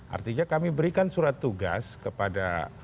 artinya kami berikan surat tugas kepada pak lanyala ya